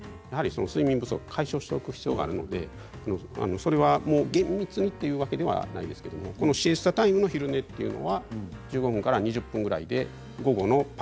睡眠不足を解消しておく必要があるのでそれは厳密にというわけではないですけれどシエスタタイムの昼寝というのは効率が上がるということです。